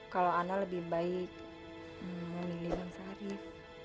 kalau ana lebih baik mau milih bang sarif